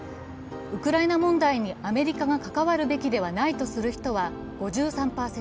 ウクライナ問題にアメリカが関わるべきではないとする人は５３％。